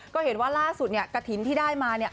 ก็เห็นว่าล่าสุดเนี่ยกระถิ่นที่ได้มาเนี่ย